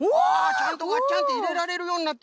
ちゃんとガッチャンっていれられるようになってる。